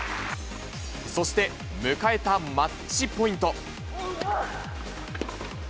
そして、迎えたマッチポイント。